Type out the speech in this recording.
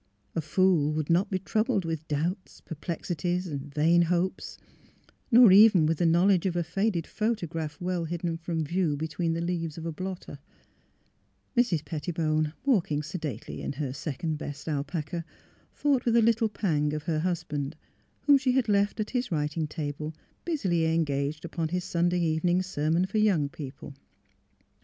A fool would not be troubled with doubts, perplexities, vain hopes — nor even with the knowledge of a faded photo MILLSTONES AND OPPORTUNITIES 135 graph well hidden from view between the leaves of a blotter. Mrs. Pettibone, walking sedately in her second best alpaca, thought with a little pang of her husband whom she had left at his writing table, busily engaged upon his Sunday evening sermon for young people.